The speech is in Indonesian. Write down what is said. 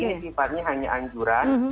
ini simpannya hanya anjuran